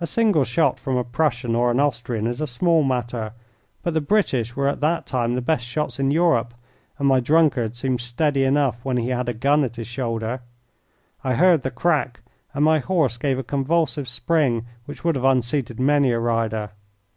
A single shot from a Prussian or an Austrian is a small matter, but the British were at that time the best shots in Europe, and my drunkard seemed steady enough when he had a gun at his shoulder. I heard the crack, and my horse gave a convulsive spring which would have unseated many a rider.